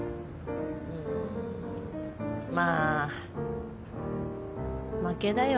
うんまあ負けだよ。